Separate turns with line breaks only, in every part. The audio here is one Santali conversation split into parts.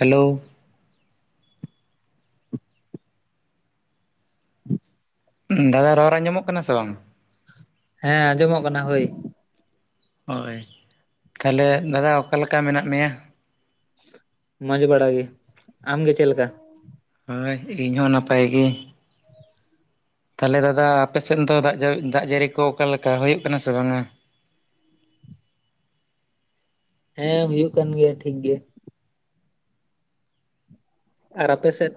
ᱦᱮᱞᱳ ᱫᱟᱫᱟ ᱨᱚᱨ ᱟᱸᱧᱡᱚᱢᱚᱜ ᱠᱟᱱᱟ ᱥᱮ ᱵᱟᱝ?
ᱦᱮᱸ ᱟᱸᱡᱚᱢᱚᱜ ᱠᱟᱱᱟ ᱦᱳᱭ᱾
ᱦᱳᱭ ᱛᱟᱦᱚᱞᱮ ᱫᱟᱫᱟ ᱚᱠᱟᱞᱮᱠᱟ ᱢᱮᱱᱟᱜ ᱢᱮᱭᱟ?
ᱢᱚᱸᱡᱽ ᱵᱟᱲᱟ ᱜᱮ ᱟᱢᱜᱮ ᱪᱮᱜ ᱞᱮᱠᱟ?
ᱦᱳᱭ ᱤᱧ ᱦᱚᱸ ᱱᱟᱯᱟᱭ ᱜᱤ᱾
[unintelligible]
ᱛᱟᱦᱚᱞᱮ ᱫᱟᱫᱟ ᱟᱯᱮᱥᱮᱱ ᱫᱚ ᱫᱟᱜ ᱡᱟᱹᱲᱤ ᱫᱟᱜ ᱡᱟᱹᱲᱤ ᱠᱚ ᱚᱠᱟᱞᱮᱠᱟ ᱦᱩᱭᱩᱜ ᱠᱟᱱᱟ ᱥᱮ ᱵᱟᱝᱟ?
ᱦᱮᱸ ᱦᱩᱭᱩᱜ ᱠᱟᱱ ᱜᱮᱭᱟ ᱴᱷᱤᱠ ᱜᱮ᱾ ᱟᱨ ᱟᱯᱮ ᱥᱮᱫ?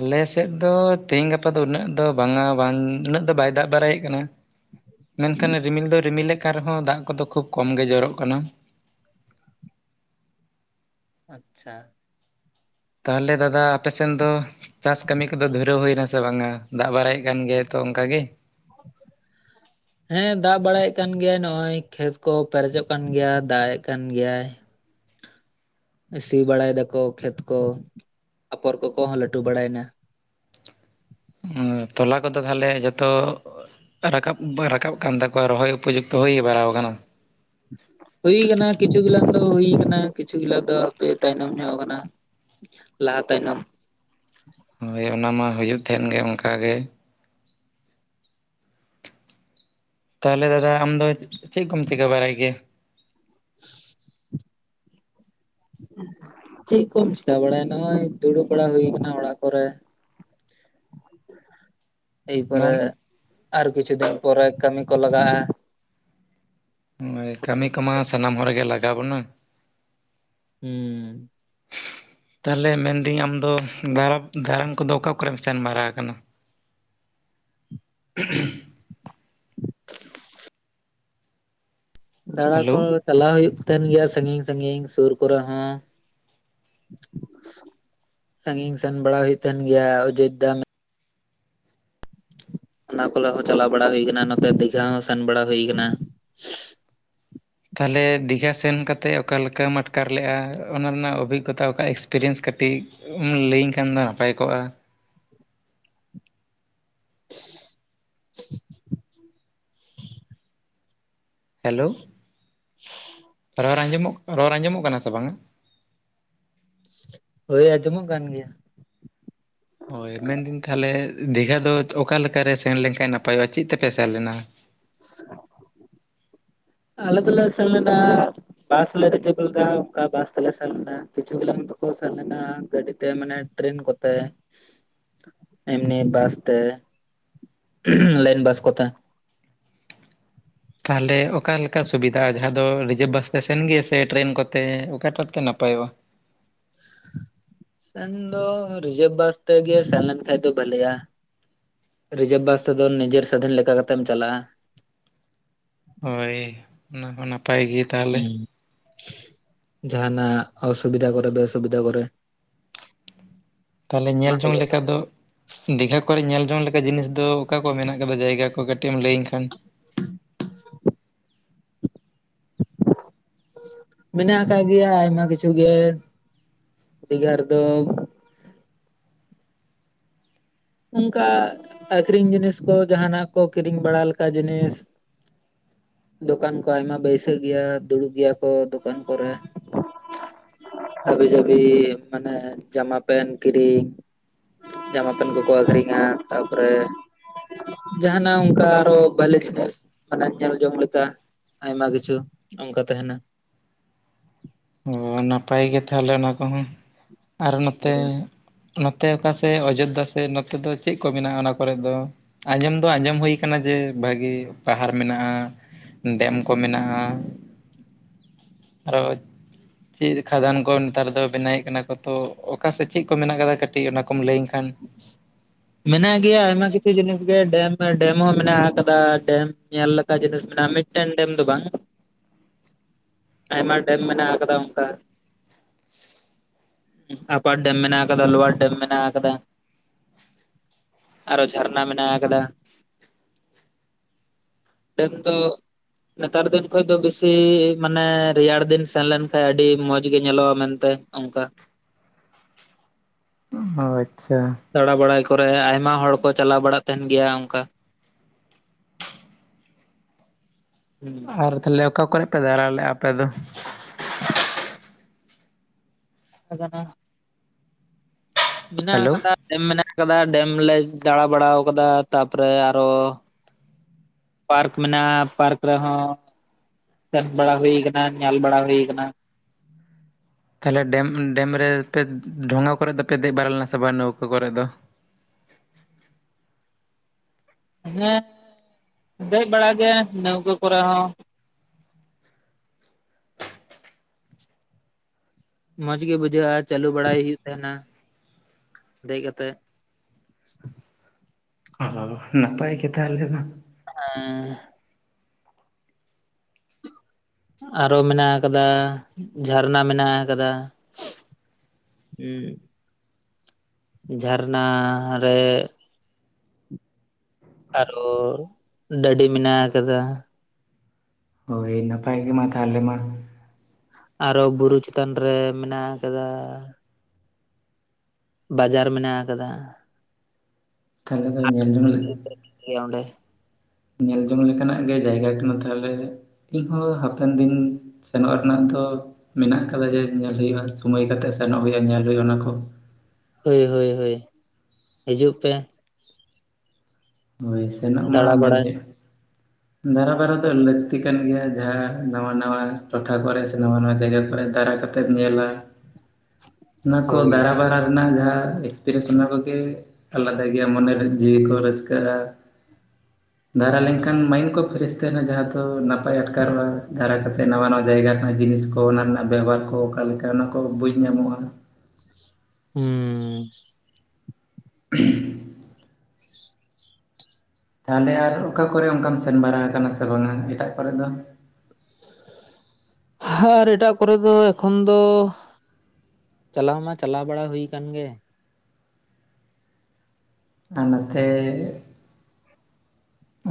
ᱟᱞᱮᱥᱮᱜ ᱫᱚ ᱛᱮᱦᱤᱧ ᱜᱟᱯᱟ ᱫᱚ ᱩᱱᱟᱹᱜ ᱫᱚ ᱵᱟᱝᱟ ᱵᱟᱝ ᱩᱱᱟᱹᱜ ᱫᱚ ᱵᱟᱭ ᱫᱟᱜ ᱵᱟᱨᱟᱭᱮᱫ ᱠᱟᱱᱟ᱾ ᱢᱮᱱᱠᱷᱟᱱ ᱨᱤᱢᱤᱞ ᱫᱚ ᱨᱤᱢᱤᱞᱮᱜ ᱠᱟᱱ ᱨᱮᱦᱚᱸ ᱫᱟᱜ ᱠᱚᱫᱚ ᱠᱷᱩᱵ ᱠᱚᱢ ᱜᱮ ᱡᱚᱨᱚᱜ ᱠᱟᱱᱟ᱾
ᱟᱪᱪᱷᱟ,
ᱛᱟᱦᱚᱞᱮ ᱫᱟᱫᱟ ᱟᱯᱮᱥᱮᱱ ᱫᱚ ᱪᱟᱥ ᱠᱟᱹᱢᱤ ᱠᱚᱫᱚ ᱫᱷᱩᱨᱟᱹᱣ ᱦᱩᱭᱱᱟ ᱥᱮ ᱵᱟᱝᱟ ᱫᱟᱜ ᱵᱟᱲᱟᱭᱮᱫ ᱠᱟᱱ ᱜᱮ ᱛᱚ ᱚᱱᱠᱟ ᱜᱮ?
ᱦᱮᱸ ᱫᱟᱜ ᱵᱟᱲᱟᱭᱮᱜ ᱠᱟᱱ ᱜᱮᱭᱟᱭ ᱱᱚᱜᱼᱚᱭ ᱠᱷᱮᱛ ᱠᱚ ᱯᱮᱨᱮᱡᱚᱜ ᱠᱟᱱ ᱜᱮᱭᱟ ᱫᱟᱜ ᱮᱜ ᱠᱟᱱ ᱜᱮᱭᱟᱭ᱾ ᱥᱤ ᱵᱟᱲᱟᱭ ᱫᱟᱠᱚ ᱠᱷᱮᱛ ᱠᱚ ᱟᱯᱚᱨ ᱠᱚᱠᱚ ᱦᱚᱸ ᱞᱟᱹᱴᱩ ᱵᱟᱲᱟᱭᱮᱱᱟ,
ᱦᱮᱸ ᱛᱚᱞᱟ ᱠᱚᱫᱚ ᱛᱟᱦᱞᱮ ᱡᱚᱛᱚ ᱨᱟᱠᱟᱵ, ᱨᱟᱠᱟᱵ ᱠᱟᱱ ᱛᱟᱠᱚᱣᱟ ᱨᱚᱦᱚᱭ ᱩᱯᱚᱡᱩᱠᱛᱚ ᱦᱩᱭ ᱵᱟᱲᱟᱟᱣ ᱟᱠᱟᱱᱟ?
ᱦᱩᱭ ᱠᱟᱱᱟ ᱠᱤᱪᱷᱩ ᱜᱩᱞᱟᱱ ᱫᱚ ᱦᱩᱭ ᱠᱟᱱᱟ ᱠᱤᱪᱷᱩ ᱜᱩᱞᱟᱱ ᱫᱚ ᱦᱟᱯᱮ ᱛᱟᱭᱱᱚᱢ ᱧᱚᱜ ᱟᱠᱟᱱᱟ, ᱞᱟᱦᱟ ᱛᱟᱭᱱᱚᱢ
ᱦᱳᱭ ᱚᱱᱟ ᱢᱟ ᱦᱩᱭᱩᱜ ᱛᱟᱦᱮᱱ ᱜᱮ ᱚᱱᱠᱟ ᱜᱮ᱾ ᱛᱟᱦᱚᱞᱮ ᱫᱟᱫᱟ ᱟᱢᱫᱚ ᱪᱮᱜ ᱠᱚᱢ ᱪᱤᱠᱟᱹ ᱵᱟᱲᱟᱭ ᱜᱮᱭᱟ?
[unintelligible] [unintelligible] ᱪᱮᱜ ᱠᱚᱢ ᱪᱮᱠᱟ ᱵᱟᱲᱟᱭᱟ ᱱᱚᱜ-ᱚᱭ ᱫᱩᱲᱩᱵ ᱵᱟᱲᱟ ᱦᱩᱭ ᱟᱠᱟᱱᱟ ᱚᱲᱟᱜ ᱠᱚᱨᱮ᱾
[inaudible]
ᱮᱭ ᱯᱚᱨᱮ
ᱢᱮᱱ
ᱟᱨ ᱠᱤᱪᱷᱩ ᱫᱤᱱ ᱯᱚᱨᱮ ᱠᱟᱹᱢᱤ ᱠᱚ ᱞᱟᱜᱟᱜᱼᱟ᱾
ᱦᱳᱭ ᱠᱟᱹᱢᱤ ᱠᱚᱢᱟ ᱥᱟᱱᱟᱢ ᱦᱚᱲᱜᱮ ᱞᱟᱜᱟᱣ ᱵᱚᱱᱟ᱾
ᱦᱮᱸ
ᱛᱟᱞᱦᱮ ᱢᱮᱱᱫᱟᱹᱧ ᱟᱢ ᱫᱚ [unintelligible] ᱫᱟᱲᱟᱱ ᱠᱚᱫᱚ ᱚᱠᱟ ᱠᱚᱨᱮᱢ ᱥᱮᱱ ᱵᱟᱲᱟ ᱟᱠᱟᱱᱟ? [unintelligible]
ᱫᱟᱲᱟ ᱠᱚ
ᱦᱮᱞᱳ
ᱪᱟᱞᱟᱣ ᱦᱩᱭᱩᱜ ᱛᱟᱦᱮᱱ ᱜᱮᱭᱟ ᱥᱟᱺᱜᱤᱧ ᱥᱟᱺᱜᱤᱧ ᱥᱩᱨ ᱠᱚᱨᱮ ᱦᱚᱸ᱾ ᱥᱟᱺᱜᱤᱧ ᱥᱮᱱ ᱵᱟᱲᱟ ᱦᱩᱭᱩᱜ ᱛᱟᱦᱮᱱ ᱜᱮᱭᱟ ᱚᱡᱳᱫᱽᱫᱷᱟ ᱚᱱᱟ ᱠᱚᱨᱮ ᱦᱚᱸ ᱪᱟᱞᱟᱣ ᱵᱟᱲᱟ ᱦᱩᱭ ᱟᱠᱟᱱᱟ ᱱᱚᱛᱮ ᱫᱤᱜᱷᱟ ᱦᱚᱸ ᱥᱮᱱ ᱵᱟᱲᱟ ᱦᱩᱭᱩ ᱟᱠᱟᱱᱟ᱾
ᱛᱟᱦᱚᱞᱮ ᱫᱤᱜᱷᱟ ᱥᱮᱱ ᱠᱟᱛᱮᱫ ᱚᱠᱟ ᱞᱮᱠᱟᱢ ᱟᱴᱠᱟᱨ ᱞᱮᱜ-ᱟ ᱚᱱᱟ ᱨᱮᱱᱟᱜ ᱚᱵᱷᱤᱜᱽᱜᱚᱛᱟ ᱚᱠᱟ ᱮᱠᱥᱯᱮᱨᱤᱭᱮᱱᱥ ᱠᱟᱹᱴᱤᱡ ᱞᱟᱹᱭᱟᱹᱧ ᱠᱷᱟᱱ ᱢᱟ ᱱᱟᱯᱟᱭ ᱠᱚᱜ-ᱟ᱾
[unintelligible]
ᱦᱮᱞᱳ ᱨᱚᱲ ᱟᱸᱡᱚᱢ ᱨᱚᱲ ᱟᱸᱡᱚᱢᱚᱜ ᱠᱟᱱᱟ ᱥᱮ ᱵᱟᱝᱟ
ᱦᱳᱭ ᱟᱸᱡᱚᱢᱚᱜ ᱠᱟᱱ ᱜᱮᱭᱟ᱾
ᱦᱳᱭ ᱢᱮᱱᱫᱟᱹᱧ ᱛᱟᱦᱚᱞᱮ ᱫᱤᱜᱷᱟ ᱫᱚ ᱚᱠᱟ ᱞᱮᱠᱟᱨᱮ ᱥᱮᱱ ᱞᱮᱱᱠᱷᱟᱱ ᱱᱟᱯᱟᱭᱚᱜ-ᱟ ᱪᱮᱫ ᱛᱮᱯᱮ ᱥᱮᱱ ᱞᱮᱱᱟ [unintelligible]
ᱟᱞᱮ ᱫᱚᱞᱮ ᱥᱮᱱᱞᱮᱱᱟ ᱵᱟᱥ ᱞᱮ ᱨᱤᱡᱟᱹᱵ ᱞᱮᱫᱟ ᱚᱱᱠᱟ ᱵᱟᱥ ᱛᱮᱞᱮ ᱥᱮᱱ ᱞᱮᱱᱟ ᱠᱤᱪᱷᱩ ᱜᱞᱟᱝ ᱫᱚᱠᱚ ᱥᱮᱱ ᱞᱮᱱᱟ ᱜᱟᱹᱰᱤ ᱛᱮ ᱢᱟᱱᱮ ᱴᱨᱮᱱ ᱠᱚᱛᱮ
[unintelligible]
ᱮᱢᱱᱤ ᱵᱟᱥ ᱛᱮ ᱞᱟᱭᱤᱱ ᱵᱟᱥ ᱠᱚᱛᱮ᱾
ᱛᱟᱦᱚᱞᱮ ᱚᱠᱟᱞᱮᱠᱟ ᱥᱩᱵᱤᱫᱟᱜ-ᱟ ᱡᱟᱦᱟᱸ ᱫᱚ ᱨᱤᱡᱟᱹᱵᱷ ᱵᱟᱥ ᱛᱮ ᱥᱮᱱ ᱜᱮ ᱥᱮ ᱴᱨᱮᱱ ᱠᱚᱛᱮ ᱚᱠᱟᱴᱟᱜ ᱛᱮ ᱱᱟᱯᱟᱭᱚᱜ-ᱟ
ᱥᱮᱱ ᱫᱚ ᱨᱤᱡᱟᱹᱵᱷ ᱵᱟᱥ ᱛᱮ ᱜᱮ ᱥᱟᱞᱟᱱ ᱠᱷᱟᱱ ᱫᱚ ᱵᱷᱟᱞᱮᱭᱟ ᱨᱤᱡᱟᱵᱷ ᱵᱟᱥ ᱛᱮᱫᱚ ᱱᱤᱡᱮᱨ ᱥᱟᱫᱷᱤᱱ ᱞᱮᱠᱟ ᱠᱟᱛᱮᱢ ᱪᱟᱞᱟᱜ-ᱟ
ᱦᱳᱭ ᱚᱱᱟ ᱦᱚᱸ ᱱᱟᱯᱟᱭ ᱜᱮ ᱛᱟᱦᱚᱞᱮ
ᱦᱩᱸ ᱡᱟᱦᱟᱸᱱᱟᱜ ᱚᱥᱩᱵᱤᱫᱷᱟ ᱠᱚᱨᱮ ᱵᱮᱥᱩᱵᱤᱫᱷᱟ ᱠᱚᱨᱮ
ᱦ ᱛᱟᱦᱚᱞᱮ
ᱚᱱᱟ
ᱧᱮᱞ ᱡᱚᱝ
ᱛᱮᱜᱮ
ᱞᱮᱠᱟ ᱫᱚ ᱫᱤᱜᱷᱟ ᱠᱚᱨᱮ ᱧᱮᱞ ᱡᱚᱝ ᱞᱮᱠᱟ ᱡᱤᱱᱤᱥ ᱫᱚ ᱚᱠᱟ ᱠᱚ ᱢᱮᱱᱟᱜ ᱠᱟᱫᱟ ᱡᱟᱭᱜᱟ ᱠᱚ ᱠᱟᱹᱴᱤᱡ ᱠᱟᱹᱴᱤᱡ ᱞᱟᱹᱭᱟᱹᱧ ᱠᱷᱟᱱ
ᱻ ᱢᱮᱱᱟᱜ ᱟᱠᱟᱜ ᱜᱮᱭᱟ ᱟᱭᱢᱟ ᱠᱤᱪᱷᱩ ᱜᱮ ᱫᱤᱜᱷᱟ ᱨᱮᱫᱚ ᱚᱱᱠᱟ ᱟᱠᱷᱨᱤᱧ ᱡᱤᱱᱤᱥ ᱠᱚ ᱡᱟᱦᱱᱟᱜ ᱠᱚ ᱠᱤᱨᱤᱧ ᱵᱟᱲᱟ ᱞᱮᱠᱟ ᱡᱤᱱᱤᱥ ᱫᱚᱠᱟᱱ ᱠᱚ ᱟᱭᱢᱟ ᱵᱟᱹᱭᱥᱟᱹᱜ ᱜᱮᱭᱟ ᱫᱩᱲᱩᱵ ᱜᱮᱭᱟ ᱠᱚ ᱫᱚᱠᱟᱱ ᱠᱚᱨᱮ ᱦᱟᱹᱵᱤ ᱡᱟᱹᱵᱤ ᱢᱟᱱᱮ ᱡᱟᱢᱟ ᱯᱮᱱ ᱠᱤᱨᱤᱧ᱾ ᱡᱟᱢᱟ ᱯᱮᱱ ᱠᱚᱠᱚ ᱟᱹᱠᱷᱨᱤᱧᱟ ᱛᱟ ᱯᱚᱨᱮ ᱡᱟᱦᱟᱱᱟᱜ ᱚᱱᱠᱟ ᱟᱨᱚ ᱵᱷᱟᱞᱮ ᱡᱤᱱᱤᱥ ᱢᱟᱱᱮ ᱧᱮᱞ ᱡᱚᱝ ᱞᱮᱠᱟ ᱟᱭᱢᱟ ᱠᱤᱪᱷᱩ ᱚᱱᱠᱟ ᱛᱟᱦᱮᱱᱟ
ᱚᱻ ᱱᱟᱯᱟᱭ ᱜᱮ ᱛᱟᱦᱚᱞᱮ ᱚᱱᱟ ᱠᱚᱦᱚᱸ ᱟᱨ ᱱᱚᱛᱮ
ᱦᱮᱸ
ᱱᱚᱛᱮ ᱚᱠᱟ ᱥᱮ ᱚᱡᱳᱫᱽᱫᱷᱟ ᱥᱮ ᱱᱚᱛᱮ ᱫᱚ ᱪᱮᱫ ᱠᱚ ᱢᱮᱱᱟᱜ-ᱟ ᱚᱱᱟ ᱠᱚᱨᱮ ᱫᱚ ᱟᱸᱡᱚᱢ ᱫᱚ ᱟᱸᱡᱚᱢ ᱦᱩᱭ ᱟᱠᱟᱱᱟ ᱡᱮ ᱵᱷᱟᱹᱜᱤ ᱯᱟᱦᱟᱲ ᱢᱮᱱᱟᱜ-ᱟ ᱰᱮᱢ ᱠᱚ ᱢᱮᱱᱟᱜ-ᱟ ᱟᱨᱚ ᱪᱮᱫ ᱠᱷᱟᱫᱟᱱ ᱠᱚ ᱱᱮᱛᱟᱨ ᱫᱚ ᱵᱮᱱᱟᱣᱮᱫ ᱠᱟᱱᱟ ᱠᱚ ᱛᱚ ᱚᱠᱟᱥᱮᱫ ᱪᱮᱫ ᱠᱚ ᱢᱮᱱᱟᱜ ᱟᱠᱟᱫᱟ ᱠᱟᱹᱴᱤᱡ ᱚᱱᱟ ᱠᱚᱢ ᱞᱟᱹᱭᱟᱹᱧ ᱠᱷᱟᱱ
ᱢᱮᱱᱟᱜ ᱜᱮᱭᱟ ᱟᱭᱢᱟ ᱠᱤᱪᱷᱩ ᱡᱤᱱᱤᱥ ᱜᱮ ᱰᱮᱢ ᱰᱮᱢ ᱦᱚᱸ ᱢᱮᱱᱟᱜ ᱟᱠᱟᱫᱟ ᱰᱮᱢ ᱧᱮᱞ ᱞᱮᱠᱟ ᱡᱤᱱᱤᱥ ᱢᱮᱱᱟᱜ-ᱟ ᱢᱤᱫᱴᱮᱱ ᱰᱮᱢ ᱫᱚ ᱵᱟᱝ
ᱻ
ᱟᱭᱢᱟ ᱰᱮᱢ ᱢᱟᱱᱟᱜ ᱠᱟᱫᱟ ᱚᱝᱠᱟ ᱟᱯᱟᱨ ᱰᱮᱢ ᱢᱮᱱᱟᱜ ᱟᱠᱟᱫᱟ ᱞᱚᱣᱟᱨ ᱰᱮᱢ ᱢᱮᱱᱟᱜ ᱟᱠᱟᱫᱟ ᱟᱨᱚ ᱡᱷᱟᱨᱱᱟ ᱢᱮᱱᱟᱜ ᱟᱠᱟᱫᱟ
ᱻ
ᱰᱮᱢ ᱫᱚ ᱱᱮᱛᱟᱨ ᱫᱤᱱ ᱠᱷᱚᱡ ᱫᱚ ᱵᱮᱥᱤ ᱢᱟᱱᱮ ᱨᱮᱭᱟᱲ ᱫᱤᱱ ᱥᱮᱱ ᱞᱮᱱᱠᱷᱟᱱ ᱟᱹᱰᱤ ᱢᱚᱸᱡᱽ ᱜᱮ ᱧᱮᱞᱚᱜ-ᱟ ᱢᱮᱱᱛᱮ ᱚᱝᱠᱟ
ᱚ ᱟᱪᱪᱷᱟ
ᱫᱟᱬᱟ ᱵᱟᱲᱟᱭ ᱠᱚᱨᱮ ᱟᱭᱢᱟ ᱦᱚᱲ ᱠᱚ ᱪᱟᱞᱟᱣ ᱵᱟᱲᱟᱜ ᱛᱟᱦᱮᱱ ᱜᱮᱭᱟ ᱚᱱᱠᱟ ᱦᱩᱸ
ᱟᱨ ᱛᱟᱦᱚᱞᱮ ᱚᱠᱟ ᱠᱚᱨᱮᱯᱮ ᱫᱟᱬᱟ ᱞᱮᱜ-ᱟ ᱟᱯᱮ ᱫᱚ
ᱜᱟᱱᱟ ᱢᱮᱱᱟᱜ
ᱦᱮᱞᱳ
ᱟᱠᱟᱫᱟ ᱰᱮᱢ ᱢᱮᱱᱟᱜ ᱟᱠᱟᱫᱟ ᱰᱮᱢ ᱞᱮ ᱫᱟᱬᱟ ᱵᱟᱲᱟ ᱟᱠᱟᱫᱟ ᱛᱟᱯᱚᱨᱮ ᱟᱨᱚ ᱯᱟᱨᱠ ᱢᱮᱱᱟᱜᱼᱟ ᱯᱟᱨᱠ ᱨᱮᱦᱚᱸ ᱥᱮᱱ ᱵᱟᱲᱟ ᱦᱩᱭ ᱟᱠᱟᱱᱟ ᱧᱮᱞ ᱵᱟᱲᱟ ᱦᱩᱭ ᱟᱠᱟᱱᱟ᱾
ᱛᱟᱦᱚᱞᱮ ᱰᱮᱢ, ᱰᱮᱢ ᱨᱮᱯᱮ ᱰᱷᱚᱸᱜᱟ ᱠᱚᱨᱮ ᱫᱚᱯᱮ ᱫᱮᱡ ᱵᱟᱲᱟ ᱞᱮᱱᱟ ᱥᱮᱵᱟᱝ ᱱᱟᱹᱣᱠᱚ ᱠᱚᱨᱮ ᱫᱚ
ᱦᱮᱸ ᱫᱮᱡ ᱵᱟᱲᱟᱜ ᱜᱮ ᱱᱟᱹᱣᱠᱟᱹ ᱠᱚᱨᱮ ᱦᱚᱸ ᱢᱚᱸᱡᱽ ᱜᱮ ᱵᱩᱡᱷᱟᱹᱜᱼᱟ ᱪᱟᱹᱞᱩ ᱵᱟᱲᱟᱭ ᱦᱩᱭᱩᱜ ᱛᱟᱦᱮᱱᱟ ᱫᱮᱡ ᱠᱟᱛᱮᱜ
ᱚ ᱱᱟᱯᱟᱭ ᱜᱮ ᱛᱟᱦᱚᱞᱮ ᱢᱟ
ᱦᱮᱸ ᱟᱨᱚ ᱢᱮᱱᱟᱜ ᱟᱠᱟᱫᱟ ᱡᱷᱟᱨᱱᱟ ᱢᱮᱱᱟᱜ ᱟᱠᱟᱫᱟ᱾ ᱦᱩᱸ ᱡᱷᱟᱨᱱᱟ ᱨᱮ ᱟᱨᱚ ᱰᱟᱹᱰᱤ ᱢᱮᱱᱟᱜ ᱟᱠᱟᱫᱟ᱾
ᱦᱚᱭ ᱱᱟᱯᱟᱭ ᱜᱮ ᱢᱟ ᱛᱟᱦᱚᱞᱮ ᱢᱟ
ᱟᱨᱚ ᱵᱩᱨᱩ ᱪᱮᱛᱟᱱ ᱨᱮ ᱢᱮᱱᱟᱜ ᱟᱠᱟᱫᱟ᱾ ᱵᱟᱡᱟᱨ ᱢᱮᱱᱟᱜ ᱟᱠᱟᱫᱟ᱾
ᱛᱟᱦᱞᱮ ᱠᱷᱟᱱ ᱧᱮᱞ ᱡᱚᱝ ᱞᱟᱹᱜᱤᱫ
ᱜᱮ ᱚᱰᱮ
ᱧᱮᱞ ᱡᱚᱝ ᱞᱮᱠᱟᱱᱟᱜ ᱜᱮ ᱡᱟᱭᱜᱟ ᱠᱟᱱᱟ ᱛᱟᱦᱚᱞᱮ ᱤᱧᱦᱚᱸ ᱦᱟᱯᱮᱱ ᱫᱤᱱ ᱥᱮᱱᱚᱜ ᱨᱮᱱᱟᱜ ᱫᱚ ᱢᱮᱱᱟᱜ ᱠᱟᱫᱟ ᱡᱮ ᱧᱮᱞ ᱦᱩᱭᱩᱜᱼᱟ᱾ ᱥᱚᱢᱚᱭ ᱠᱟᱛᱮᱜ ᱥᱮᱱᱚᱜ ᱦᱩᱭᱩᱜᱼᱟ ᱧᱮᱞ ᱦᱩᱭᱩᱜᱼᱟ ᱚᱱᱟ ᱠᱚ
ᱦᱚᱭ-ᱦᱚᱭ, ᱦᱚᱭ ᱦᱤᱡᱩᱜ ᱯᱮ
ᱦᱚᱭ ᱥᱮᱱᱚᱜ ᱢᱟ
ᱫᱟᱬᱟ
ᱢᱮᱱᱮᱫ
ᱵᱟᱲᱟᱭ
ᱫᱟᱬᱟ-ᱵᱟᱲᱟ ᱫᱚ ᱞᱟᱹᱠᱛᱤ ᱠᱟᱱ ᱜᱮᱭᱟ ᱡᱟᱦᱟᱸ ᱱᱟᱣᱟ-ᱱᱟᱣᱟ ᱴᱚᱴᱷᱟ ᱠᱚᱨᱮ ᱥᱮ ᱱᱟᱣᱟ ᱱᱟᱣᱟ ᱡᱟᱭᱜᱟ ᱠᱚᱨᱮ ᱫᱟᱨᱟ ᱠᱟᱛᱮ ᱛᱮᱫ ᱧᱮᱞᱟ ᱚᱱᱟ ᱠᱚ
ᱦᱳᱭ
ᱫᱟᱬᱟ ᱵᱟᱲᱟ ᱨᱮᱱᱟᱜ ᱡᱟᱦᱟᱸ ᱮᱠᱥᱯᱤᱨᱤᱭᱮᱱᱥ ᱚᱱᱟ ᱠᱚᱜᱮ ᱟᱞᱟᱫᱟ ᱜᱮᱭᱟ ᱢᱚᱱᱮᱨᱮ ᱡᱤᱣᱤ ᱠᱚ ᱨᱟ. ᱥᱠᱟ. ᱜᱼᱟ᱾ ᱫᱟᱬᱟ ᱞᱮᱠᱷᱟᱱ ᱢᱟᱭᱤᱱᱰ ᱠᱚ ᱯᱷᱮᱨᱮᱥ ᱛᱟᱦᱮᱱᱟ ᱡᱟᱦᱟᱸ ᱫᱚ ᱱᱟᱯᱟᱭ ᱟᱴᱠᱟᱨᱚᱜᱼᱟ᱾ ᱫᱟᱬᱟ ᱠᱟᱛᱮ ᱱᱟᱣᱟᱼᱱᱟᱣᱟ ᱡᱟᱭᱜᱟ ᱠᱷᱚᱱᱟᱜ ᱡᱤᱱᱤᱥ ᱠᱚ ᱚᱱᱟ ᱨᱮᱱᱟᱜ ᱵᱮᱵᱷᱟᱨ ᱠᱚ ᱚᱠᱟ ᱞᱮᱠᱟ ᱚᱱᱟ ᱠᱚ ᱵᱩᱡᱽ ᱧᱟᱢᱚᱜᱼᱟ᱾
ᱦᱩᱸᱻ
ᱮᱦᱮᱢ ᱛᱟᱦᱚᱞᱮ ᱟᱨ ᱚᱠᱟ ᱠᱚᱨᱮ ᱚᱱᱠᱟᱢ ᱥᱮᱱ ᱵᱟᱲᱟ ᱟᱠᱟᱱᱟ ᱥᱮ ᱵᱟᱝᱟ ᱮᱴᱟᱜ ᱠᱚᱨᱮ ᱫᱚ
ᱟᱨ ᱮᱴᱟᱜ ᱠᱚᱨᱮ ᱫᱚ ᱮᱠᱷᱚᱱ ᱫᱚ ᱪᱟᱞᱟᱣ ᱢᱟ ᱪᱟᱞᱟᱣ ᱵᱟᱲᱟ ᱦᱩᱭ ᱟᱠᱟᱱ ᱜᱮ
ᱚᱱᱛᱮ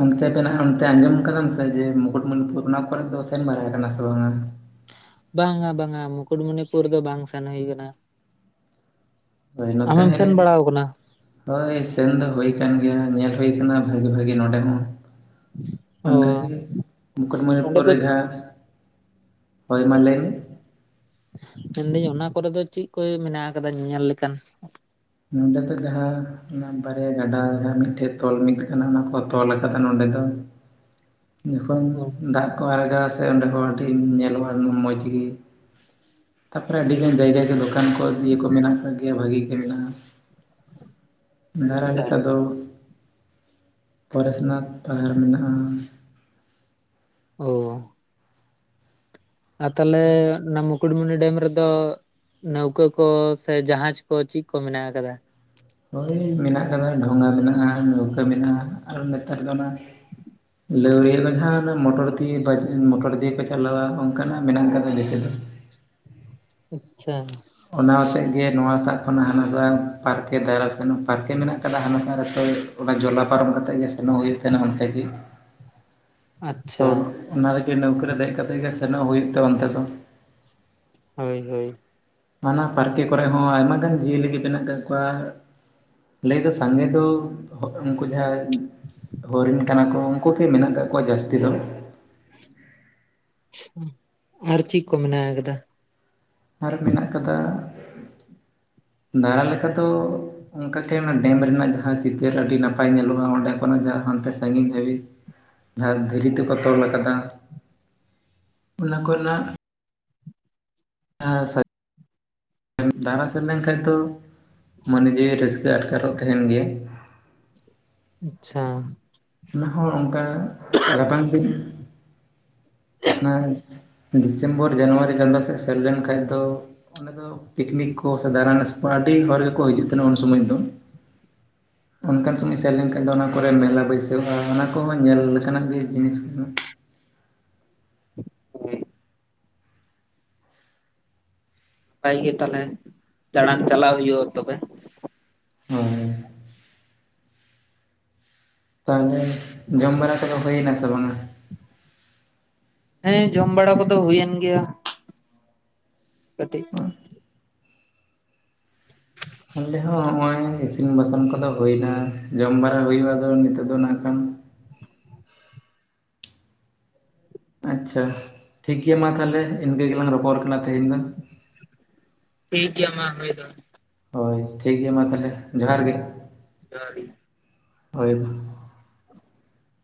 ᱚᱱᱛᱮ ᱢᱮᱱᱟᱜ-ᱟ ᱚᱱᱛᱮ ᱟᱸᱡᱚᱢ ᱟᱠᱟᱫᱟᱢ ᱥᱮ ᱡᱮ ᱢᱩᱠᱩᱴᱢᱩᱱᱤᱯᱩᱨ ᱚᱱᱟ ᱠᱚᱨᱮ ᱫᱚ ᱥᱮᱱ ᱵᱟᱲᱟ ᱟᱠᱟᱱᱟ ᱥᱮ ᱵᱟᱝᱼᱟ᱾
ᱵᱟᱝᱟᱼᱵᱟᱝᱟ ᱢᱩᱠᱩᱴᱢᱩᱱᱤᱯᱩᱨ ᱫᱚ ᱵᱟᱝ ᱥᱮᱱ ᱦᱩᱭ ᱟᱠᱟᱱᱟ᱾
ᱦᱚᱭ ᱱᱚᱛᱮ
ᱟᱢᱮᱢ
ᱦᱚᱸ ᱦᱮᱡ
ᱥᱮᱱ
ᱞᱮᱱ
ᱵᱟᱲᱟ ᱟᱠᱟᱱᱟ
ᱦᱚᱭ ᱥᱮᱱ ᱫᱚ ᱦᱩᱭ ᱟᱠᱟᱱ ᱜᱮᱭᱟ ᱧᱮᱞ ᱦᱩᱭ ᱟᱠᱟᱱᱟ ᱵᱷᱟ. ᱜᱤᱼᱵᱷᱟ. ᱜᱤ ᱱᱚᱰᱮ ᱦᱚᱸ
ᱚ
ᱚᱱᱠᱟᱜᱮ
ᱚᱸᱰᱮ
ᱢᱩᱠᱩᱴᱢᱚᱱᱤᱯᱩᱨ
ᱫᱚ
ᱨᱮ ᱡᱟᱦᱟᱸ ᱦᱚᱭ ᱢᱟ ᱞᱟᱹᱭ ᱢᱮ
ᱢᱮᱱᱫᱟᱹᱧ ᱚᱱᱟ ᱠᱚᱨᱮ ᱫᱚ ᱪᱮᱫ ᱠᱚ ᱢᱮᱱᱟᱜ ᱟᱠᱟᱫᱟ ᱧᱮᱧᱮᱞ ᱞᱮᱠᱟᱱᱟᱜ
ᱱᱚᱰᱮ ᱫᱚ ᱡᱟᱦᱟᱸ ᱚᱱᱟ ᱵᱟᱨᱭᱟ ᱜᱟᱰᱟ ᱡᱟᱦᱟᱸ ᱢᱤᱫᱴᱷᱮᱱ ᱛᱚᱞ ᱢᱤᱫ ᱠᱟᱱᱟ ᱚᱱᱟ ᱠᱚ ᱛᱚᱞ ᱟᱠᱟᱫᱟ ᱱᱚᱰᱮ ᱫᱚ ᱡᱚᱠᱷᱚᱱ
ᱚ
ᱫᱟᱜ ᱠᱚ ᱟᱲᱟᱜᱟ ᱥᱮ ᱮᱱᱨᱮᱦᱚᱸ ᱟᱹᱰᱤ ᱧᱮᱞᱚᱜᱼᱟ ᱢᱚᱡᱽ ᱜᱮ ᱛᱟᱯᱚᱨᱮ ᱟᱹᱰᱤᱜᱟᱱ ᱡᱟᱭᱜᱟ ᱜᱮ ᱫᱚᱠᱟᱱ ᱠᱚ ᱤᱭᱟᱹ ᱠᱚ ᱢᱮᱱᱟᱜ ᱟᱠᱟᱫ ᱜᱮᱭᱟ ᱵᱷᱟᱹᱜᱤ ᱜᱮ ᱢᱮᱱᱟᱜᱼᱟ᱾ ᱫᱟᱬᱟ
ᱟᱪᱪᱷᱟ
ᱞᱮᱠᱟ ᱫᱚ ᱯᱟᱨᱟᱥᱱᱟᱛᱷ ᱯᱟᱦᱟᱲ ᱢᱮᱱᱟᱜᱼᱟ᱾
ᱚᱻ ᱟᱨ ᱛᱟᱦᱚᱞᱮ ᱱᱟᱢᱩᱠ ᱢᱩᱠᱩᱴᱢᱩᱱᱤ ᱰᱮᱢ ᱨᱮᱫᱚ ᱱᱟᱹᱣᱠᱟᱹ ᱠᱚ ᱥᱮ ᱡᱟᱦᱟᱡᱽ ᱠᱚ ᱪᱮᱫ ᱠᱚ ᱢᱮᱱᱟᱜ ᱟᱠᱟᱫᱟ?
ᱦᱚᱭ ᱢᱮᱱᱟᱜ ᱟᱠᱟᱫᱟ ᱰᱷᱚᱸᱜᱟ ᱢᱮᱱᱟᱜᱼᱟ, ᱱᱟᱹᱣᱠᱟᱹ ᱢᱮᱱᱟᱜᱼᱟ ᱟᱨ ᱱᱮᱛᱟᱨ ᱫᱚ ᱚᱱᱟ ᱞᱟᱹᱣᱲᱤᱭᱟᱹ ᱫᱚ ᱱᱟᱦᱟᱜ ᱚᱱᱟ ᱢᱚᱴᱚᱨ ᱫᱤᱭᱟ. ᱵᱟᱡᱽ ᱢᱚᱴᱚᱨ ᱫᱤᱭᱟ. ᱯᱟᱪᱷᱮ ᱞᱟᱫᱟ ᱚᱱᱠᱟᱱᱟᱜ ᱢᱮᱱᱟᱜ ᱟᱠᱟᱫᱟ ᱵᱮᱥᱤ ᱫᱚ
ᱟᱪᱷᱟ
ᱚᱱᱟ ᱦᱚᱛᱮᱜ ᱜᱮ ᱱᱚᱣᱟ ᱥᱟᱜ ᱠᱷᱚᱱᱟᱜ ᱦᱟᱱᱟ ᱥᱟᱜ ᱯᱟᱨᱠᱮ ᱫᱟᱬᱟ ᱥᱮᱱᱚᱜ ᱠᱟᱱᱟ ᱯᱟᱨᱠᱮ ᱢᱮᱱᱟᱜ ᱠᱟᱫᱟ ᱦᱟᱱᱟ ᱥᱟᱦᱟ ᱨᱮ ᱛᱚ ᱚᱱᱟ ᱡᱚᱞᱟ ᱯᱟᱨᱚᱢ ᱠᱟᱛᱮᱜ ᱜᱮ ᱥᱮᱱᱚᱜ ᱦᱩᱭᱩᱜ ᱛᱟᱱᱟ ᱚᱱᱛᱮ ᱜᱮ ᱛᱚ
ᱟᱪᱪᱷᱟ
ᱚᱱᱟ ᱨᱮᱜᱮ ᱱᱟᱹᱣᱠᱟ. ᱨᱮ ᱫᱮᱡ ᱠᱟᱛᱮ ᱜᱮ ᱥᱮᱱᱚᱜ ᱦᱩᱭᱩᱜ ᱛᱮ ᱚᱱᱛᱮ ᱫᱚ
ᱦᱚᱭᱼᱦᱚᱭ
ᱦᱟᱱᱟ ᱯᱟᱨᱠᱮ ᱠᱚᱨᱮ ᱦᱚᱸ ᱟᱭᱢᱟ ᱜᱟᱱ ᱡᱤᱭᱟᱹᱞᱤ ᱜᱮ ᱢᱮᱱᱟᱜ ᱠᱟᱜ ᱠᱚᱣᱟ᱾ ᱞᱟᱹᱭ ᱫᱚ ᱥᱟᱸᱜᱮ ᱫᱚ ᱩᱱᱠᱩ ᱡᱟᱦᱟᱸ ᱦᱚᱨᱤᱱ ᱠᱟᱱᱟ ᱠᱚ ᱩᱱᱠᱩ ᱜᱮ ᱢᱮᱱᱟᱜ ᱠᱟᱫ ᱠᱚᱣᱟ ᱡᱟᱹᱥᱛᱤ ᱫᱚ᱾
[inaudible] ᱟᱨ ᱪᱮᱫ ᱠᱚ ᱢᱮᱱᱟ ᱟᱠᱟᱫᱟ᱾
ᱟᱨ ᱢᱮᱱᱟᱜ ᱟᱠᱟᱫᱟ, ᱫᱟᱬᱟ ᱞᱮᱠᱟ ᱫᱚ ᱚᱱᱠᱟᱛᱮ ᱚᱱᱟ ᱰᱮᱢ ᱨᱮᱱᱟᱜ ᱪᱤᱛᱟᱹᱨ ᱟᱹᱰᱤ ᱱᱟᱯᱟᱭ ᱧᱮᱞᱚᱜᱼᱟ ᱚᱱᱰᱮ ᱠᱷᱚᱱᱟᱜ ᱡᱟᱦᱟᱸ ᱦᱟᱱᱛᱮ ᱥᱟᱺᱜᱤᱧ ᱦᱟᱹᱵᱤᱡ ᱟᱨ ᱫᱷᱤᱨᱤ ᱛᱮᱠᱚ ᱛᱚᱞ ᱠᱟᱫᱟ᱾ ᱚᱱᱟ ᱠᱚ ᱨᱮᱱᱟᱜ [unintelligible] ᱫᱟᱬᱟ ᱥᱮᱱ ᱞᱮᱱᱠᱷᱟᱱ ᱫᱚ ᱢᱚᱱᱮ ᱡᱤᱣᱤ ᱨᱟᱹᱥᱠᱟᱹ ᱟᱴᱠᱟᱨᱚᱜ ᱛᱟᱦᱮᱱ ᱜᱮᱭᱟ᱾
ᱟᱪᱪᱷᱟ
ᱚᱱᱟ ᱦᱚᱸ ᱚᱱᱠᱟ ᱨᱟᱵᱟᱝ ᱫᱤᱱ [unintelligible] ᱰᱤᱥᱮᱢᱵᱚᱨ ᱡᱟᱱᱩᱣᱟᱨᱤ ᱪᱟᱸᱫᱟ ᱥᱮᱫ ᱥᱮᱱ ᱞᱮᱱᱠᱷᱟᱡ ᱫᱚ ᱟᱫᱚ ᱯᱤᱠᱱᱤᱠ ᱠᱚ ᱥᱮ ᱫᱟᱬᱟᱱᱟ [unintelligible] ᱦᱤᱡᱩᱜ ᱛᱟᱦᱮᱱᱟ ᱩᱱ ᱥᱚᱢᱚᱭ ᱫᱚ ᱚᱱᱠᱟᱱ ᱥᱚᱢᱚᱭ ᱥᱮᱱ ᱞᱮᱱᱠᱷᱟᱱ ᱫᱚ ᱚᱱᱟ ᱠᱚᱨᱮᱱ ᱢᱮᱞᱟ ᱵᱟᱹᱭᱥᱟᱹᱜ ᱼᱟ ᱚᱱᱟ ᱠᱚᱦᱚᱸ ᱧᱮᱞ ᱞᱮᱠᱟᱱᱟᱜ ᱜᱮ ᱡᱤᱱᱤᱥ ᱠᱟᱱᱟ᱾
ᱦᱩᱸ ᱱᱟᱯᱟᱭ ᱜᱮ ᱛᱟᱦᱚᱞᱮ ᱫᱟᱬᱟᱱ ᱪᱟᱞᱟᱜ ᱦᱩᱭᱩᱜᱼᱟ ᱛᱚᱵᱮ᱾
[unintelligible] ᱛᱟᱦᱚᱞᱮ ᱡᱚᱢ ᱵᱟᱲᱟ ᱠᱚᱫᱚ ᱦᱩᱭ ᱮᱱᱟ ᱥᱮ ᱵᱟᱝᱟ?
ᱦᱮᱸ ᱡᱚᱢ ᱵᱟᱲᱟ ᱠᱚᱫᱚ ᱦᱩᱭᱮᱱ ᱜᱮᱭᱟ᱾ ᱠᱟᱹᱴᱤᱡ
ᱚᱸᱰᱮ ᱦᱚᱸ ᱦᱚᱸᱜᱼᱚᱭ ᱤᱥᱤᱱ ᱵᱟᱥᱟᱝ ᱠᱚᱫᱚ ᱦᱩᱭᱱᱟ᱾ ᱡᱚᱢ ᱵᱟᱲᱟ ᱦᱩᱭᱩᱜᱼᱟ ᱟᱫᱚ ᱱᱤᱛᱚᱜ ᱫᱚ ᱱᱟᱜ ᱠᱷᱟᱱ ᱟᱪᱪᱷᱟ ᱴᱷᱤᱠ ᱜᱮᱭᱟ ᱢᱟ ᱛᱟᱦᱚᱞᱮ ᱤᱱᱠᱟᱹ ᱜᱮᱞᱟᱝ ᱨᱚᱯᱚᱲ ᱠᱟᱱᱟ ᱛᱮᱦᱮᱧ ᱫᱚ᱾
ᱴᱷᱤᱠ ᱜᱮᱭᱟ ᱢᱟ ᱦᱚᱭ ᱫᱚ᱾
ᱦᱚᱭ ᱴᱷᱤᱠ ᱜᱮᱭᱟ ᱢᱟ ᱛᱟᱦᱚᱞᱮ ᱡᱚᱦᱟᱨ ᱜᱮ
ᱡᱚᱦᱟᱨ ᱜᱮ
[inaudible] ᱦᱚᱭ ᱢᱟ᱾
[inaudible]